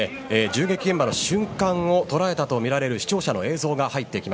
銃撃現場の瞬間を捉えたとみられる視聴者の映像です。